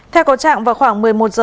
theo có trạng vào khoảng một mươi một h